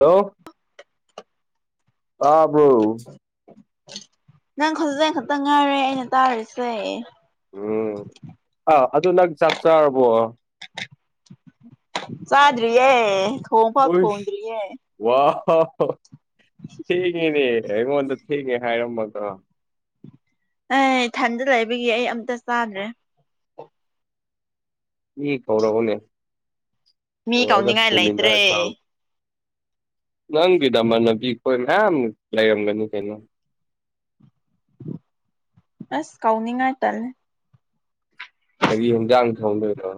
Hello ꯇꯥꯕ꯭ꯔꯣ ꯅꯪ ꯈꯣꯟꯖꯦꯟ ꯈꯛꯇꯪ ꯉꯥꯏꯔꯦ ꯑꯩꯅ ꯇꯥꯔꯤꯁꯦ ꯎꯝ ꯑꯥ ꯑꯗꯨ ꯅꯪ ꯆꯥꯛ ꯆꯥꯔꯕꯣ ꯆꯥꯗ꯭ꯔꯤꯌꯦ ꯊꯣꯡ ꯐꯥꯎ ꯊꯣꯡꯗ꯭ꯔꯤꯌꯦ ꯋꯥ ꯍꯣ ꯍꯣ ꯊꯦꯡꯉꯦꯅꯦ ꯑꯩꯉꯣꯟꯗ ꯊꯦꯡꯉꯦ ꯍꯥꯏꯔꯝꯃꯒ ꯑꯦ ꯊꯟꯗ ꯂꯩꯕꯒꯤ ꯑꯩ ꯑꯝꯇ ꯆꯥꯗ꯭ꯔꯦ ꯏ ꯍꯧꯔꯛꯑꯣꯅꯦ ꯃꯤ ꯀꯧꯅꯤꯡꯉꯥꯏ ꯂꯩꯇ꯭ꯔꯦ [inaudible] ꯅꯪꯕꯤꯗꯃꯥꯟꯅꯕꯤ ꯈꯣꯏ ꯃꯌꯥꯝ ꯂꯩꯔꯝꯒꯅꯤ ꯀꯩꯅꯣ ꯑꯁ ꯀꯧꯅꯤꯡꯉꯥꯏ ꯇꯜꯂꯦ ꯀꯔꯤ ꯢꯟꯁꯥꯡ ꯊꯣꯡꯗꯣꯏꯅꯣ꯫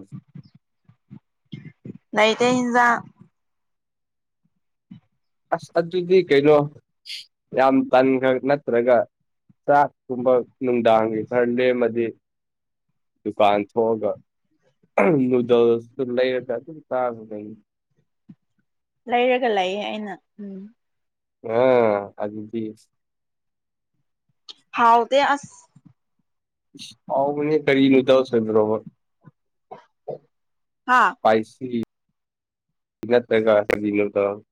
ꯂꯩꯇꯦ ꯍꯤꯟꯖꯥꯡ꯫ ꯑꯁ ꯑꯗꯨꯗꯤ ꯀꯩꯅꯣ ꯌꯥꯝ ꯀꯟꯈꯛ ꯅꯠꯇ꯭ꯔꯒ ꯆꯥꯛ ꯀꯨꯝꯕ ꯅꯨꯡꯗꯥꯡꯒꯤ ꯈꯔ ꯂꯦꯝꯃꯗꯤ ꯗꯨꯀꯥꯟ ꯊꯣꯛꯑꯒ ꯅꯨꯗꯜꯁꯇ ꯇꯨ ꯂꯩꯔꯒ ꯑꯗꯨꯝ ꯆꯥꯒ [unintelligible] ꯂꯩꯔꯒ ꯂꯩꯌꯦ ꯑꯩꯅ ꯎꯝ꯫ ꯑ ꯑꯗꯨꯗꯤ ꯍꯥꯎꯗꯦ ꯑꯁ ꯍꯥꯎꯕꯅꯦ ꯀꯔꯤ ꯅꯨꯗꯜꯁ ꯑꯣꯢꯕ꯭ꯔꯕ ꯍꯥꯥ ꯏꯁꯄꯥꯥꯏꯁꯤ ꯅꯠꯇ꯭ꯔꯒ ꯀꯔꯤ ꯅꯨꯗꯜꯁ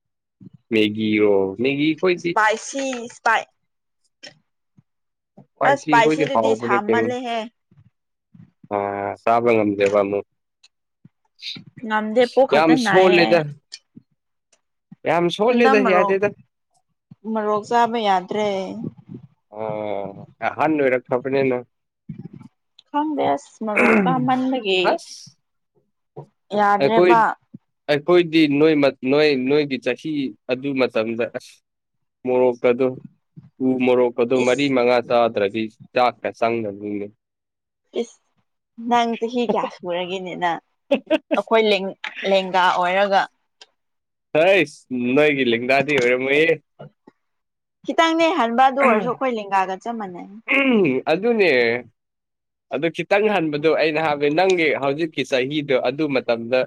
ꯃꯦꯒꯤꯔꯣ ꯃꯦꯒꯤ ꯈꯣꯏꯗꯤ ꯏꯁꯄꯥꯏꯁꯤ ꯁꯄꯥꯏ ꯑꯁ ꯁ꯭ꯄꯥꯢꯁꯤ ꯈꯣꯏꯗꯤ ꯏꯁꯄꯥꯏꯁꯤꯗꯨꯗꯤ ꯍꯥꯎꯕꯗꯤ ꯀꯩ ꯁꯥꯃꯜꯂꯦꯍꯦ ꯑ ꯆꯥꯕ ꯉꯝꯗꯦꯕ ꯑꯃꯨꯛ ꯉꯝꯗꯦ ꯄꯨꯛ ꯈꯛꯇ ꯌꯥꯝ ꯅꯥꯏꯌꯦ ꯑꯩ ꯁꯣꯜꯂꯤꯗ ꯍꯟꯗꯛ ꯃꯔꯣꯛ ꯌꯥꯗꯦꯗ ꯃꯣꯔꯣꯛ ꯆꯥꯕ ꯌꯥꯗ꯭ꯔꯦ꯫ ꯑꯣ ꯑꯍꯥꯟ ꯑꯣꯏꯔꯛꯈ꯭ꯔꯕꯅꯤꯅ ꯈꯪꯗ ꯑꯁ ꯃꯣꯔꯣꯛ ꯆꯥꯃꯟꯕꯒꯤ ꯑꯩꯈꯣꯢ ꯌꯥꯗ꯭ꯔꯦꯕ ꯑꯩꯈꯣꯏꯗꯤ ꯅꯣꯏ ꯃ ꯅꯣꯏ ꯅꯣꯏꯒꯤ ꯆꯍꯤ ꯑꯗꯨ ꯃꯇꯝꯗ ꯑꯁ ꯃꯣꯔꯣꯛꯀꯗꯣ ꯎꯃꯣꯔꯣꯛ ꯑꯗꯨ ꯃꯔꯤ ꯏꯁ ꯃꯉꯥ ꯆꯥꯗ꯭ꯔꯗꯤ ꯆꯥꯛ ꯀ ꯆꯪꯗꯕꯅꯤꯅꯦ꯫ ꯏꯁ ꯅꯪ ꯆꯍꯤ ꯀꯌꯥ ꯁꯨꯔꯒꯦꯅꯦ ꯅꯪ ꯑꯈꯣꯏ ꯂꯦꯡ ꯂꯦꯡ ꯒꯥ ꯑꯣꯏꯔꯒ ꯍꯣꯏꯁ ꯅꯣꯏꯒꯤ ꯂꯦꯡꯒꯥꯗꯤ ꯑꯣꯏꯔꯝꯃꯣꯏꯌꯦ ꯈꯤꯇꯪꯅꯦ ꯍꯟꯕ ꯑꯗꯨ ꯑꯣꯏꯔꯁꯨ ꯑꯈꯣꯏ ꯂꯦꯡꯒꯥꯒ ꯆꯞ ꯃꯥꯟꯅꯩ꯫ ꯎꯝ ꯑꯗꯨꯅꯦ꯫ ꯑꯗꯨ ꯈꯤꯇꯪ ꯍꯟꯕꯗꯣ ꯑꯩꯅ ꯍꯥꯏꯕꯗꯤ ꯅꯪꯒꯤ ꯍꯧꯖꯤꯛꯀꯤ ꯆꯍꯤꯗꯣ ꯑꯗꯨ ꯃꯇꯝꯗ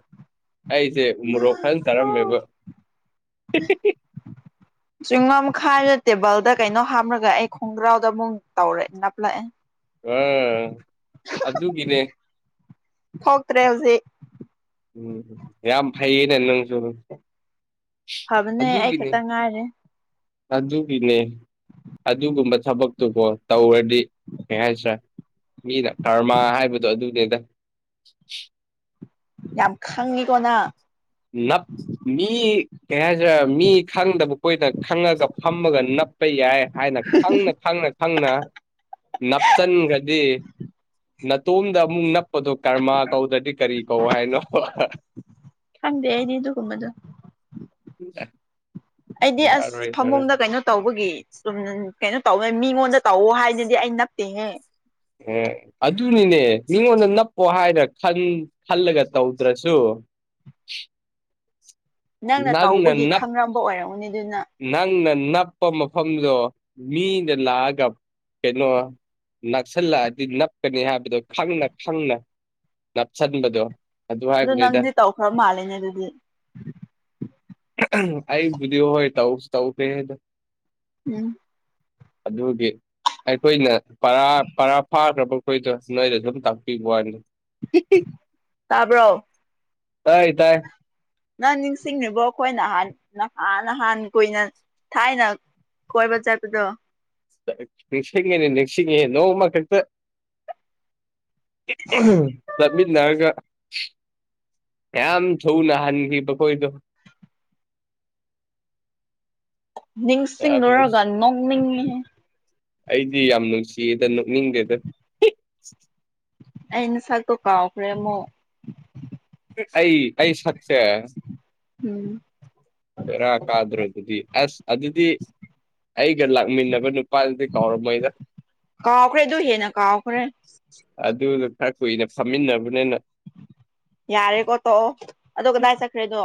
ꯑꯩꯁꯦ ꯃꯣꯔꯣꯛ ꯐꯖꯅ ꯆꯥꯔꯝꯃꯦꯕ ꯆꯤꯡꯉꯝ ꯈꯥꯏꯔ ꯇꯦꯕꯜꯗ ꯀꯩꯅꯣ ꯍꯥꯞꯂꯒ ꯑꯩ ꯈꯣꯡꯒ꯭ꯔꯥꯎꯗ ꯑꯃꯨꯛ ꯇꯧꯔꯦ ꯅꯞꯂꯛꯑꯦ ꯑꯥ ꯑꯗꯨꯒꯤꯅꯦ꯫ ꯊꯣꯛꯇ꯭ꯔꯦ ꯍꯧꯖꯤꯛ ꯎꯝ ꯌꯥꯝ ꯐꯩꯌꯦꯅꯦ ꯅꯪꯁꯨ ꯐꯕꯅꯦ ꯑꯩ ꯑꯗꯨꯒꯤꯅꯦ ꯈꯛꯇ ꯉꯥꯏꯔꯦ꯫ ꯑꯗꯨꯒꯤꯅꯦ꯫ ꯑꯗꯨꯒꯨꯝꯕ ꯊꯕꯛꯇꯨꯕꯣ ꯇꯧꯔꯗꯤ ꯀꯩ ꯍꯥꯏꯁꯤ꯭ꯔꯥ ꯃꯤꯅ ꯀꯔꯃ ꯍꯥꯏꯕꯗꯣ ꯑꯗꯨꯅꯤꯗ ꯌꯥꯝ ꯈꯪꯉꯤꯀꯣ ꯅꯪ ꯅꯞ ꯃꯤ ꯀꯩ ꯍꯥꯏꯖꯤꯔꯥ ꯃꯤ ꯈꯪꯗꯕ ꯀꯣꯏꯅ ꯈꯪꯉꯒ ꯐꯝꯃꯒ ꯅꯞꯄ ꯌꯥꯏ ꯍꯥꯏꯅ ꯈꯪꯅ ꯈꯪꯅ ꯈꯪꯅ ꯅꯞꯆꯟꯈ꯭ꯔꯗꯤ ꯅꯇꯣꯝꯗ ꯑꯃꯨꯛ ꯅꯞꯄꯗꯣ ꯀꯔꯃꯥ ꯀꯧꯗ꯭ꯔꯗꯤ ꯀꯔꯤ ꯀꯧ ꯍꯥꯏꯅꯣ꯫ ꯈꯪꯗꯦ ꯑꯩꯗꯤ ꯑꯗꯨꯒꯨꯝꯕꯗꯣ ꯎ [inaudible] ꯑꯩꯗꯤ ꯑꯁ ꯐꯃꯨꯡꯗ ꯀꯩꯅꯣ ꯇꯧꯕꯒꯤ ꯁꯨꯝ ꯀꯩꯅꯣ ꯇꯧꯅꯦ ꯃꯤꯉꯣꯟꯗ ꯇꯧꯋꯣ ꯍꯥꯏꯗꯨꯗꯤ ꯑꯩ ꯅꯠꯇꯦꯍꯦ꯫ ꯑꯦ ꯑꯗꯨꯅꯤꯅꯦ ꯃꯤꯉꯣꯟꯗ ꯅꯞꯄꯣ ꯍꯥꯏꯅ ꯈꯟ ꯈꯜꯂꯒ ꯇꯧꯗ꯭ꯔꯁꯨ꯫ ꯅꯪꯅ ꯇꯧꯕꯒꯤ ꯈꯪꯔꯝꯕ ꯑꯣꯏꯔꯝꯒꯅꯤ ꯗꯨꯅ꯫ ꯅꯪꯅ ꯅꯞꯄ ꯃꯐꯝꯗꯣ ꯃꯤꯅ ꯂꯥꯛꯑꯒ ꯀꯩꯅꯣ꯫ ꯅꯛꯁꯤꯜꯂꯛꯑꯗꯤ ꯅꯞꯀꯅꯤ ꯍꯥꯏꯕꯗꯣ ꯈꯪꯅ ꯈꯪꯅ ꯅꯞꯁꯟꯕꯗꯣ꯫ ꯑꯗꯨ ꯑꯗꯣ ꯍꯥꯏꯕꯅꯤꯗ ꯅꯪꯗꯤ ꯇꯧꯈ꯭ꯔ ꯃꯥꯜꯂꯦꯅꯦ ꯗꯨꯗꯤ꯫ ꯑꯩꯕꯨꯗꯤ ꯍꯣꯏ ꯇꯧꯁꯨ ꯇꯧꯗꯦꯍꯦꯗꯣ ꯎꯝ ꯑꯗꯨꯒꯤ ꯑꯩꯈꯣꯏꯅ ꯄꯔꯥ ꯄꯔꯥ ꯐꯥꯈ꯭ꯔꯕ ꯑꯩꯈꯣꯏꯗꯣ ꯅꯣꯏꯗ ꯗꯨꯝ ꯇꯥꯛꯄꯤꯕꯋꯥꯅꯤ ꯫ ꯇꯥꯕꯔꯣ꯫ ꯇꯥꯏ ꯇꯥꯏ ꯅꯪ ꯅꯤꯡꯁꯤꯡꯉꯤꯕꯣ ꯑꯩꯈꯣꯏ ꯅꯍꯥꯟ ꯅꯍꯥꯟ ꯅꯍꯥꯟ ꯀꯨꯏꯅ ꯊꯥꯏꯅ ꯀꯣꯏꯕ ꯆꯠꯄꯗꯣ꯫ ꯅꯤꯡꯁꯤꯡꯉꯤꯅꯦ ꯅꯤꯡꯁꯤꯡꯉꯦ ꯅꯣꯡꯃꯈꯛꯇ ꯆꯠꯃꯤꯟꯅꯔꯒ꯫ ꯀꯌꯥꯝ ꯊꯨꯅ ꯍꯟꯒꯤꯕ ꯈꯣꯏꯗꯣ꯫ ꯌꯥꯝ ꯅꯤꯡꯁꯤꯡꯉꯨꯔꯒ ꯅꯨꯡꯁꯤ ꯅꯣꯛꯅꯤꯡꯉꯤꯍꯦ ꯫ ꯑꯩꯗꯤ ꯌꯥꯝ ꯅꯨꯡꯁꯤꯌꯦꯗ ꯅꯣꯛꯅꯤꯡꯗꯦꯗ꯫ ꯑꯩ ꯅꯁꯛꯇꯣ ꯀꯥꯎꯈ꯭ꯔꯦ ꯑꯃꯨꯛ꯫ ꯑꯩ ꯑꯩ ꯁꯛꯁꯦ ꯎꯝ ꯕꯦꯔꯥ ꯀꯥꯗꯔꯣ ꯑꯗꯨꯗꯤ ꯑꯁ ꯑꯗꯨꯗꯤ꯫ ꯑꯩꯒ ꯂꯥꯛꯃꯤꯟꯅꯕ ꯅꯨꯄꯥꯗꯨꯗꯤ ꯀꯥꯎꯔꯝꯃꯣꯏꯗ꯫ ꯀꯥꯎꯈ꯭ꯔꯦ ꯑꯗꯨ ꯍꯦꯟꯅ ꯀꯥꯎꯈ꯭ꯔꯦ ꯑꯗꯨꯗꯣ ꯈꯔ ꯀꯨꯏꯅ ꯐꯝꯃꯤꯟꯅꯕꯅꯤꯅ꯫ ꯌꯥꯔꯦꯀꯣ ꯇꯣꯛꯑꯣ ꯑꯗꯣ ꯀꯗꯥꯏ ꯆꯠꯈ꯭ꯔꯦꯗꯣ꯫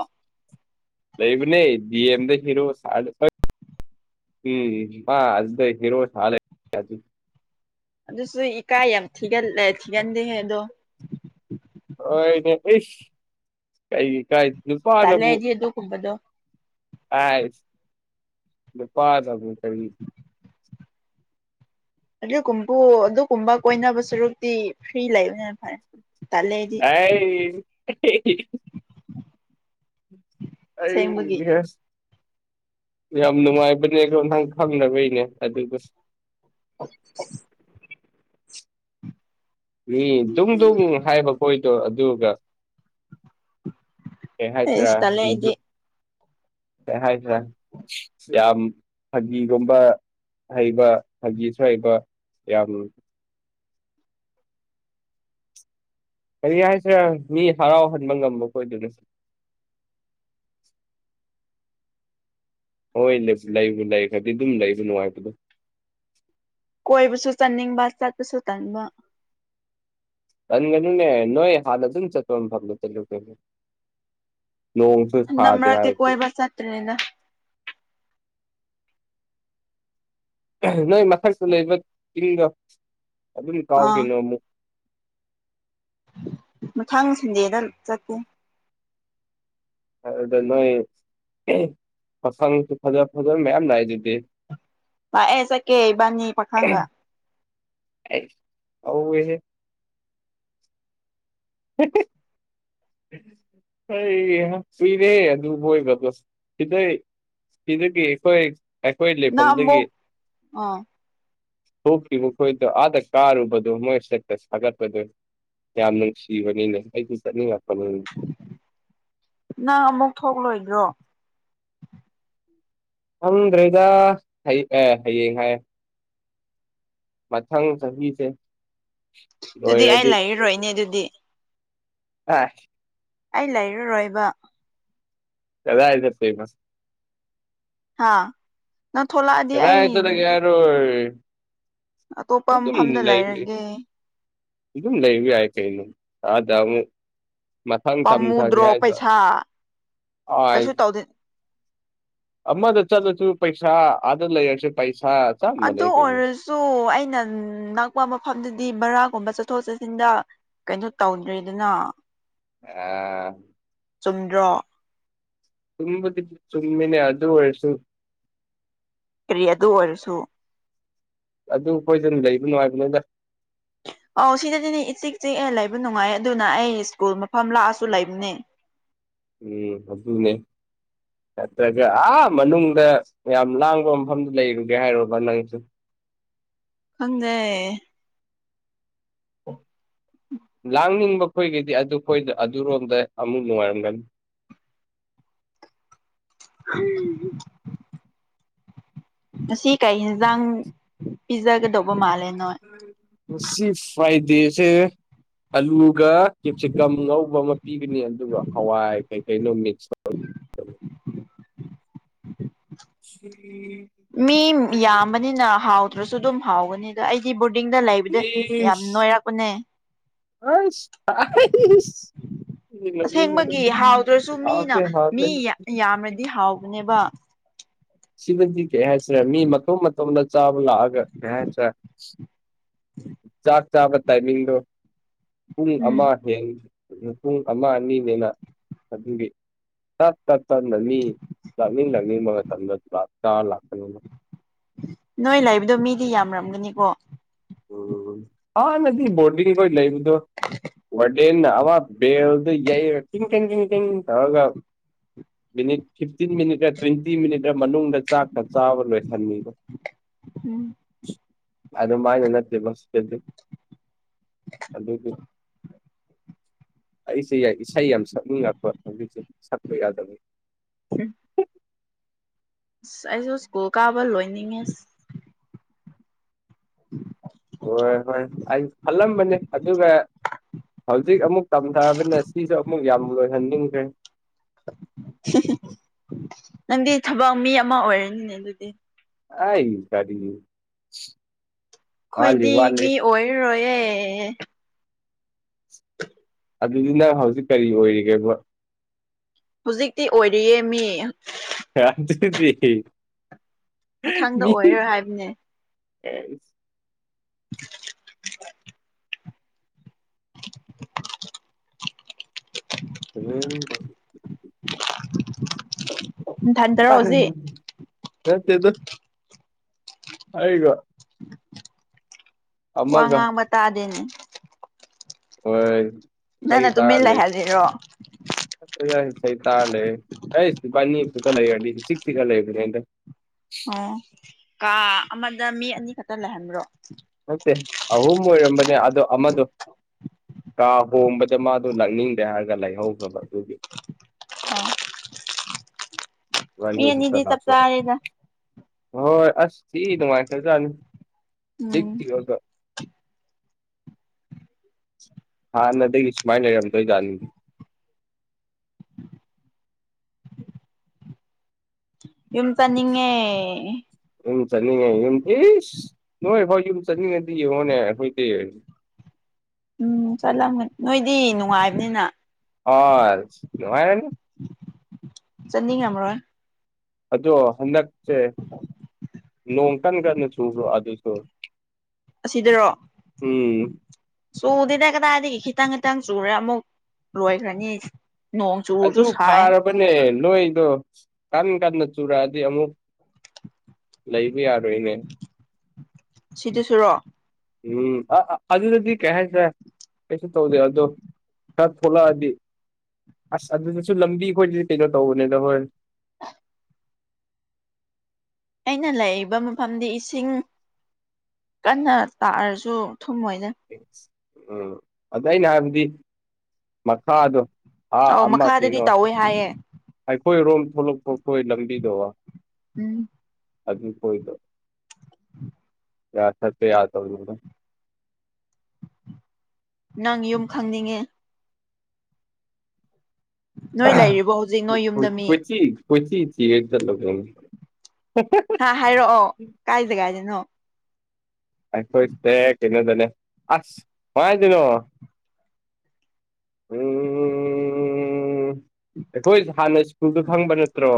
ꯂꯩꯕꯅꯦ ꯗꯤ ꯑꯦꯝꯗ ꯍꯦꯔꯣ ꯁꯥ [unintelligible] ꯎꯝ ꯃꯥ ꯑꯁꯤꯗ ꯍꯤꯔꯣ ꯁꯥ ꯂꯩꯔꯦ ꯍꯖꯤꯛ ꯫ ꯑꯗꯨꯁꯨ ꯏꯀꯥꯏ ꯌꯥꯝ ꯊꯤꯒꯜ ꯊꯤꯒꯟꯗꯦꯍꯦ ꯑꯗꯣ꯫ ꯍꯣꯏꯅꯦ ꯏꯁ ꯀꯩꯒꯤ ꯏꯀꯥꯏ ꯫ ꯇꯜꯂꯦ ꯑꯩꯗꯤ ꯑꯗꯨꯒꯨꯝꯕꯗꯣ꯫ ꯑꯥꯏ ꯅꯨꯄꯥꯗꯕꯨ ꯀꯔꯤ ꯫ ꯑꯗꯨꯀꯨꯝꯄꯨ ꯑꯗꯨꯒꯨꯝꯕ ꯀꯣꯏꯅꯕ ꯁꯔꯨꯛꯇꯤ ꯐ꯭ꯔꯤ ꯂꯩꯕꯅ ꯍꯦꯟ ꯐꯔꯦ꯫ ꯇꯜꯂꯦ ꯑꯩꯗꯤ ꯑꯥꯏ ꯑꯩ ꯑꯁꯦꯡꯕꯒꯤ ꯏꯍꯦ ꯫ ꯌꯥꯝ ꯅꯨꯡꯉꯥꯏꯕꯅꯦꯒꯣ ꯅꯪ ꯈꯪꯅꯕꯩꯅꯦ ꯑꯗꯨꯗꯣ ꯃꯤ ꯗꯨꯡꯗꯨꯡ ꯍꯥꯏꯕ ꯈꯣꯏꯗꯣ ꯑꯗꯨꯒ꯫ ꯀꯩ ꯍꯥꯏꯁꯤꯔꯥ ꯑꯦꯁ ꯇꯜꯂꯦ ꯑꯩꯗꯤ [unintelligible] ꯀꯩ ꯍꯥꯏꯁꯤꯔꯥ꯫ ꯌꯥꯝ ꯐꯒꯤꯒꯨꯝꯕ ꯍꯩꯕ ꯐꯖꯤꯁꯨ ꯍꯩꯕ ꯌꯥꯝ ꯀꯔꯤ ꯍꯥꯏꯁꯤꯔꯥ ꯃꯤ ꯍꯔꯥꯎꯍꯟꯕ ꯉꯝꯕ ꯈꯣꯏꯗꯨꯅꯦ꯫ ꯍꯣꯏ ꯂꯤꯞ ꯂꯩꯕꯨ ꯂꯩꯈꯔ꯭ꯗꯤ ꯗꯨꯝ ꯂꯩꯕ ꯅꯨꯡꯉꯥꯏꯕꯗꯣ꯫ ꯀꯣꯏꯕꯁꯨ ꯆꯥꯅꯤꯡꯕ ꯆꯠꯄꯁꯨ ꯇꯟꯕ꯫ ꯇꯟꯒꯅꯨꯅꯦ ꯅꯣꯏ ꯍꯥꯟꯅ ꯗꯨꯝ ꯆꯠꯄ ꯃꯐꯝꯗꯣ ꯆꯠꯂꯨ ꯀꯩꯅꯣ ꯅꯣꯡ ꯍꯟꯅꯛ ꯃꯔꯛꯇꯤ ꯀꯣꯏꯕ ꯆꯠꯇꯔ꯭ꯦꯗ꯫ ꯅꯣꯏ ꯃꯊꯛꯇ ꯂꯩꯕ ꯆꯤꯡꯗꯣ ꯑꯗꯨꯝ ꯀꯥꯎ ꯑꯥ ꯀꯩꯅꯣ ꯑꯃꯨꯛ꯫ ꯃꯊꯪ ꯁꯟꯗꯦꯗ ꯆꯠꯀꯦ꯫ ꯑꯗꯨꯗ ꯅꯣꯏ ꯃꯁꯥꯡꯁꯨ ꯐꯖ ꯐꯖꯕ ꯃꯌꯥꯝ ꯂꯥꯛꯏꯗꯨꯗꯤ ꯄꯥꯛꯑꯦ ꯆꯀꯦ ꯏꯕꯥꯅꯤ ꯄꯥꯈꯪꯒ ꯑꯩ ꯍꯧꯋꯦꯍꯦ [unintelligible] ꯑꯩ ꯌꯦꯡꯉꯨ ꯀꯨꯏꯔꯦ ꯑꯗꯨ ꯃꯣꯏꯕꯗꯣ ꯁꯤꯗꯩ ꯁꯤꯗꯒꯤ ꯑꯩꯈꯣꯏ ꯑꯩꯈꯣꯏ ꯅꯪ ꯂꯩꯐꯝꯗꯒꯤ ꯑꯃꯨꯛ ꯑꯥ ꯊꯣꯛꯈꯤꯕ ꯃꯈꯣꯏꯗꯣ ꯑꯥꯗ ꯆꯥꯔꯨꯕꯗꯨꯣ ꯃꯣꯏ ꯏꯁꯇꯦꯇꯁ ꯁꯥꯒꯠꯄꯗꯨ ꯌꯥꯝ ꯅꯨꯡꯁꯤꯕꯅꯤꯅꯦ ꯑꯩꯁꯨ ꯆꯠꯅꯤꯡꯉꯛꯄꯅꯤ ꯅꯪ ꯑꯃꯨꯛ ꯊꯣꯛꯂꯣꯏꯗ꯭ꯔꯣ ꯈꯪꯗ꯭ꯔꯦꯗꯥ ꯑꯦ ꯍꯌꯦꯡ ꯍꯥꯏ ꯃꯊꯪ ꯆꯍꯤꯁꯦ ꯑꯗꯨꯗꯤ ꯑꯩ ꯂꯣꯏꯔꯗꯤ ꯂꯩꯔꯔꯣꯏꯅꯦ ꯑꯗꯨꯗꯤ ꯑꯥ ꯑꯩ ꯂꯩꯔꯔꯣꯏꯕ ꯂꯝꯂꯥꯏꯗ ꯐꯦꯃꯁ ꯍꯥꯥ ꯅꯪ ꯊꯣꯛꯂ ꯀꯗꯥꯏ ꯆꯠꯂꯥꯒꯦ ꯌꯥꯔꯣꯏ ꯑꯇꯣꯞꯄ ꯃꯐꯝꯗ ꯂꯩꯔꯒꯦ ꯑꯗꯨꯝ ꯂꯩꯩꯕ ꯌꯥꯏ ꯀꯩꯅꯣ ꯑꯗ ꯑꯃꯨꯛ ꯃꯊꯪ ꯇꯝꯊꯒꯦ ꯄꯥꯝꯃꯨꯗ꯭ꯔꯣ ꯍꯥꯏꯗ ꯄꯩꯁꯥ ꯑꯥꯢ ꯀꯩꯁꯨ ꯇꯧꯗꯦ ꯑꯃꯗ ꯆꯠꯂꯁꯨ ꯄꯩꯁꯥ ꯑꯗ ꯂꯩꯔꯁꯨ ꯄꯩꯁꯥ ꯆꯞ ꯑꯗꯨ ꯃꯥꯟꯅꯩ ꯀꯩꯅꯣ ꯑꯣꯏꯔꯁꯨ ꯑꯩꯅ ꯅꯥꯛꯄ ꯃꯐꯝꯗꯗꯤ ꯕꯔꯥꯒꯨꯝꯕ ꯆꯠꯊꯣꯛ ꯆꯠꯁꯤꯟꯗ ꯀꯩꯅꯣ ꯇꯧꯗ꯭ꯔꯤꯗꯅ ꯑꯥ ꯆꯨꯝꯗ꯭ꯔꯣ ꯆꯨꯝꯕꯨꯗꯤ ꯆꯨꯝꯃꯤꯅꯦ ꯑꯗꯨ ꯑꯣꯔꯥꯁꯨ ꯀ꯭ꯔꯤ ꯑꯗꯨ ꯑꯣꯏꯔꯁꯨ ꯑꯗꯨ ꯈꯣꯏꯗꯅ ꯂꯩꯕ ꯅꯨꯡꯉꯥꯏꯕꯅꯦꯗ ꯑꯧ ꯁꯤꯗꯗꯤꯅꯦ ꯏꯆꯤ ꯆꯤꯛꯑ ꯂꯩꯕ ꯅꯨꯡꯉꯥꯏ ꯑꯗꯨꯅ ꯑꯩ ꯁ꯭ꯀꯨꯜ ꯃꯐꯝ ꯂꯥꯛꯑꯁꯨ ꯂꯩꯕꯅꯦ ꯎꯝ ꯑꯗꯨꯅꯦ ꯅꯠꯇ꯭ꯔꯒ ꯑꯥ ꯃꯅꯨꯡꯗ ꯌꯥꯝ ꯂꯥꯡꯕ ꯃꯐꯝꯗꯨ ꯂꯩꯔꯨꯒꯦ ꯍꯥꯏꯔꯨꯕ ꯅꯪꯁꯨ ꯈꯪꯗꯦ ꯑꯣ ꯂꯥꯡꯅꯤꯡꯕ ꯈꯣꯏꯒꯤꯗꯤ ꯑꯗꯨꯣꯏꯗ ꯑꯗꯨꯔꯣꯝꯗ ꯑꯃꯨꯛ ꯅꯨꯡꯉꯥꯏꯔꯝꯒꯅꯤ ꯉꯁꯤ ꯀꯩ ꯏꯟꯖꯥꯡ ꯄꯤꯖꯥꯒꯗꯧꯕ ꯃꯥꯜꯂꯦ ꯉꯁꯤ ꯐꯔꯥꯏꯗꯦꯁꯦ ꯑꯂꯨꯒ ꯀꯦꯞꯁꯤꯀꯝ ꯉꯧꯕ ꯑꯃ ꯄꯤꯒꯅꯤ ꯑꯗꯨꯒ ꯍꯋꯥꯏ ꯀꯩꯀꯩꯅꯣ ꯃꯤꯛꯁ ꯎꯝ ꯎꯝ ꯁꯤꯒꯤ ꯃꯤ ꯌꯥꯝꯕꯅꯤꯅ ꯍꯥꯎꯗ꯭ꯔꯥꯁꯨ ꯑꯗꯨꯝ ꯍꯥꯎꯒꯅꯤ ꯑꯗꯣ ꯑꯩꯗꯤ ꯕꯣꯔꯗꯤꯡꯗ ꯂꯩꯕꯗ ꯌꯥꯝ ꯅꯣꯏꯔꯛꯄꯅꯦ ꯑꯁ ꯑꯁꯦꯡꯕꯒꯤ ꯍꯥꯎꯗ꯭ꯔꯁꯨ ꯃꯤꯅ ꯍꯥꯎꯇꯦ ꯃꯤ ꯍꯥꯎꯇꯦ ꯌꯥ ꯌꯥꯝꯔꯗꯤ ꯍꯥꯎꯕꯅꯦꯕ ꯁꯤꯃꯗꯤ ꯀꯩ ꯍꯥꯏꯁꯤꯔꯦ ꯃꯤ ꯃꯇꯣꯝ ꯃꯇꯣꯝꯗ ꯆꯥꯕ ꯂꯥꯛꯑꯒ ꯀꯩ ꯍꯥꯏꯁꯤꯔ ꯎꯝ ꯆꯥꯛ ꯆꯥꯕ ꯇꯥꯏꯃꯤꯡꯗꯣ ꯄꯨꯡ ꯎꯝ ꯑꯃ [unintelligible] ꯄꯨꯡ ꯑꯃ ꯑꯅꯤꯅꯦꯅ ꯑꯗꯨꯒꯤ ꯆꯠ ꯇꯠ ꯇꯠꯅꯅꯤ ꯂꯥꯛꯅꯤꯡ ꯂꯥꯛꯅꯤꯡꯕ ꯃꯇꯝꯗ ꯂꯥꯛ ꯆꯥꯔ ꯂꯥꯛꯀꯅꯤꯅ ꯅꯣꯏ ꯂꯩꯕꯗꯣ ꯃꯤꯗꯤ ꯌꯥꯝꯔꯝꯒꯅꯤꯀꯣ ꯎ ꯑꯍꯟꯅꯗꯤ ꯕꯣꯗꯤꯡ ꯀꯣꯏ ꯂꯕꯗꯣ ꯋꯔꯗꯦꯟꯅ ꯑꯋꯥ ꯕꯦꯜ ꯗ ꯌꯩꯔꯥ ꯀꯤꯡ ꯀꯦꯡ ꯀꯦꯡ ꯒꯦꯡ ꯇꯧꯔꯒꯥ ꯃꯤꯅꯤꯠ ꯐꯤꯐꯇꯤꯟ ꯃꯤꯅꯤꯠ ꯒ ꯇ꯭ꯋꯦꯟꯇꯤ ꯃꯤꯅꯤꯠꯔ ꯃꯅꯨꯡꯗ ꯆꯥꯛꯀ ꯆꯥꯕ ꯂꯣꯏꯁꯟꯃꯤꯕꯥ ꯎꯝ ꯑꯗꯨꯃꯥꯏꯅ ꯅꯠꯇꯦꯕꯁꯤꯗꯗꯤ ꯑꯗꯨꯒꯤ ꯑꯩꯁꯦ ꯌꯥꯏ ꯏꯁꯩ ꯌꯥꯝ ꯁꯛꯅꯤꯡꯉꯛꯄ ꯍꯧꯖꯤꯛꯁꯦ ꯁꯛꯄ ꯌꯥꯗꯕꯩ ꯎ ꯑꯁ ꯑꯩꯁꯨ ꯁ꯭ꯀꯨꯜ ꯀꯥꯕ ꯂꯣꯏꯅꯤꯡꯉꯦꯁ ꯎꯝ ꯍꯣꯏ ꯍꯣꯏ ꯑꯩ ꯈꯜꯂꯝꯕꯅꯦ ꯑꯗꯨꯒ ꯍꯧꯖꯤꯛ ꯑꯃꯨꯛ ꯇꯝꯊꯔꯕꯅꯤꯅ ꯁꯤꯁꯨ ꯑꯃꯨꯛ ꯌꯥꯝ ꯂꯣꯏꯍꯟꯅꯤꯡꯈ꯭ꯔꯦ ꯅꯪꯗꯤ ꯊꯕꯛ ꯃꯤ ꯑꯃ ꯑꯣꯏꯔꯅꯤꯅꯦ ꯑꯗꯨꯗꯤ ꯑꯥꯏ ꯀꯔꯤ ꯋꯥꯠꯂꯤ ꯑꯩꯈꯣꯏꯗꯤ ꯋꯥꯠꯂꯤ ꯃꯤ ꯑꯣꯏꯔꯔꯣꯏꯌꯦ ꯑꯗꯨꯗꯨꯅ ꯍꯧꯖꯤꯛ ꯀꯔꯤ ꯑꯣꯏꯔꯤꯒꯦꯕ ꯍꯧꯖꯤꯛꯇꯤ ꯑꯣꯏꯔꯤꯌꯦ ꯃꯤ ꯃꯊꯪꯗ ꯑꯣꯏꯔꯣꯏ ꯍꯥꯏꯕꯅꯦ [unintelligible] ꯅꯊꯟꯗꯔꯣ ꯍꯧꯖꯤꯛ [unintelligible] ꯅꯥꯠꯇꯦꯗꯥ ꯑꯩꯒ ꯋꯥ ꯑꯃꯒ ꯉꯥꯡꯕ ꯇꯥꯗꯦꯅꯦ ꯍꯣꯏ ꯅꯪꯅ ꯁꯩ ꯇꯨꯃꯤꯟ ꯇꯥꯔꯂꯦ ꯂꯩꯍꯜꯂꯤꯔꯣ [unintelligible] ꯂꯩꯔꯗꯤ ꯏꯆꯤꯛ ꯆꯤꯛꯑ ꯂꯩꯕꯅꯦꯗꯥ ꯑꯣ ꯀꯥ ꯑꯃꯗ ꯃꯤ ꯑꯅꯤ ꯈꯛꯇ ꯂꯩꯍꯟꯕ꯭ꯔꯣ ꯅꯠꯇꯦ ꯑꯍꯨꯝ ꯑꯣꯏꯔꯝꯕꯅꯦ ꯑꯗꯣ ꯑꯃꯗꯣ ꯀꯥ ꯍꯣꯡꯕꯗ ꯃꯥꯗꯣ ꯂꯥꯛꯅꯤꯡꯗꯦ ꯍꯥꯏꯔꯒ ꯂꯩꯍꯧꯗꯕ ꯑꯗꯨꯒꯤ ꯏꯕꯥꯅꯤ ꯈꯛꯇ ꯃꯤꯑꯅꯤꯗꯤ ꯆꯞ ꯂꯥꯛꯄ ꯆꯥꯔꯦꯗ ꯍꯣꯏ ꯑꯁ ꯁꯤ ꯅꯨꯡꯉꯥꯏꯇꯗꯖꯥꯅꯤ ꯖꯤꯛ ꯎꯝ [unintelligible] ꯍꯥꯥꯟꯅ ꯗꯒꯤ ꯂꯩꯔꯝꯗꯣꯏ ꯖꯅꯤ ꯌꯨꯝ ꯆꯠꯅꯤꯡꯉꯦ ꯌꯨꯝ ꯆꯠꯅꯤꯡꯉꯦ ꯌꯨꯝ ꯏꯁ ꯅꯣꯏ ꯍꯣꯏ ꯌꯨꯝ ꯆꯠꯅꯤꯡꯉꯗꯤ ꯌꯦꯡꯉꯣꯅꯦ ꯑꯩꯈꯣꯏꯗꯤ ꯎꯝ ꯆꯠꯂꯝꯒꯟ ꯅꯣꯏꯗꯤ ꯅꯨꯡꯉꯥꯏꯕꯅꯤꯅ ꯑꯥꯜ ꯅꯣꯉꯥꯏꯔꯅꯤ ꯆꯠꯅꯤ ꯉꯝꯃꯔꯣꯏ ꯑꯗꯣ ꯍꯟꯗꯛꯁꯦ ꯅꯣꯡ ꯀꯟ ꯀꯟꯅ ꯆꯨꯕꯔꯣ ꯑꯗꯨꯁꯨ ꯑꯁꯤꯗꯔꯣ ꯎꯝ ꯆꯨꯗꯦꯅꯦ ꯀꯗꯥꯏꯗꯒꯤ ꯈꯤꯇꯪ ꯈꯤꯇꯪ ꯆꯨꯔꯦ ꯑꯃꯨꯛ ꯂꯣꯏꯈ꯭ꯔꯅꯤ ꯅꯣꯡ ꯆꯨꯔꯁꯨ ꯑꯗꯨ ꯁꯥꯏ ꯐꯥꯔꯕꯅꯦ ꯅꯣꯏꯗꯣ ꯀꯟ ꯀꯟꯅ ꯆꯨꯔꯛꯑꯗꯤ ꯑꯃꯨꯛ ꯂꯩꯕ ꯌꯥꯔꯣꯏꯅꯦ ꯁꯤꯗꯨꯁꯨꯔꯣ ꯎꯝ ꯑꯥ ꯑꯗꯨꯗꯗꯤ ꯀꯩ ꯍꯥꯏꯁꯤꯔ ꯀꯩꯁꯨ ꯇꯧꯗꯦ ꯑꯗꯨ ꯈꯔ ꯊꯣꯛꯂꯛꯑꯗꯤ ꯑꯁ ꯑꯗꯨꯗꯁꯨ ꯂꯝꯕꯤ ꯈꯣꯏꯗꯤ ꯀꯩꯅꯣ ꯇꯧꯕꯅꯤꯗ ꯍꯣꯔꯦꯟ ꯑꯩꯅ ꯂꯩꯔꯤꯕ ꯃꯐꯝꯗꯤ ꯏꯁꯤꯡ ꯀꯟꯅ ꯇꯥꯔꯁꯨ ꯊꯨꯝꯃꯣꯏꯅ ꯎꯝ ꯑꯗ ꯑꯩꯅ ꯍꯥꯏꯕꯗꯤ ꯃꯈꯥꯗꯨ ꯑꯧ ꯃꯈꯥꯗꯗꯤ ꯇꯧꯋꯦ ꯍꯥꯏꯌꯦ ꯑꯩꯈꯣꯏꯔꯣꯝ ꯊꯣꯛꯂꯛꯄꯈꯣꯏ ꯂꯝꯕꯤꯗꯣ ꯎꯝ ꯑꯗꯨ ꯈꯣꯏꯗꯣ ꯌꯥ ꯆꯠꯄ ꯌꯥꯗꯕꯅꯤꯉꯣ ꯅꯪ ꯌꯨꯝ ꯈꯪꯅꯤꯡꯉꯦ ꯅꯣꯏ ꯂꯩꯔꯤꯕꯣ ꯍꯧꯖꯤꯛ ꯅꯣꯏ ꯌꯨꯝꯗ ꯃꯤ ꯀꯣꯏꯆꯤ ꯀꯣꯏꯊꯤ ꯊꯤꯔꯒ ꯆꯠꯂꯨ ꯀꯩꯟ ꯍꯥ ꯍꯥꯏꯔꯛꯑꯣ ꯀꯥꯏ ꯖꯒꯥꯏꯗꯅꯣ ꯑꯈꯣꯏꯁꯦ ꯀꯩꯅꯗꯅꯦ ꯑꯁ ꯀꯔꯥꯏꯗꯅꯣ ꯎꯝ ꯑꯩꯈꯣꯏ ꯍꯥꯟꯅ ꯁ꯭ꯀꯨꯜꯗꯤ ꯈꯪꯕ ꯅꯠꯇ꯭ꯔꯣ